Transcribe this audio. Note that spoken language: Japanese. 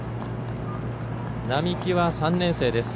並木は３年生です。